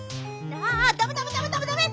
あダメダメダメダメダメ！